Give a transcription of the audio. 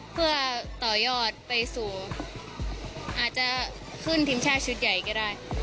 เพื่อต่อยอดไปสู่อาจจะขึ้นทีมชาติชุดใหญ่ก็ได้